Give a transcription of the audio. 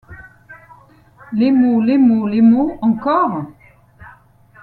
Les mots, les mots ! les mots… Encore ?